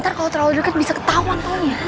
ntar kalau terlalu dekat bisa ketahuan tau ya